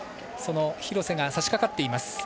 その廣瀬がさしかかっています。